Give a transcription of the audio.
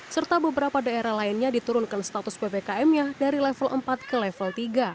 serta beberapa daerah lainnya diturunkan status ppkm nya dari level empat ke level tiga